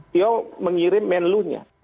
dia mengirim menlunya